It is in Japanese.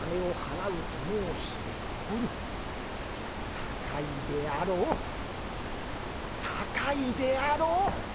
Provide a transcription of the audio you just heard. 高いであろう高いであろう！